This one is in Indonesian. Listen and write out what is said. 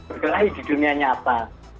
bergerai di dunia nyata